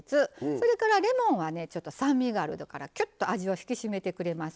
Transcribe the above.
それからレモンは酸味があるからきゅっと味を引き締めてくれます。